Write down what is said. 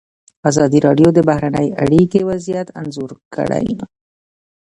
ازادي راډیو د بهرنۍ اړیکې وضعیت انځور کړی.